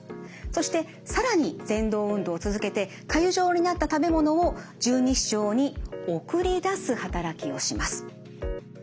そして更にぜん動運動を続けてかゆ状になった食べ物を十二指腸に送り出す働きをします。